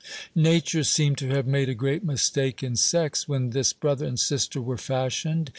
Nature seemed to have made a great mistake in sex when this brother and sister were fashioned.